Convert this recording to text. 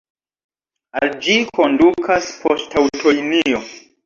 Al ĝi kondukas poŝtaŭtolinio.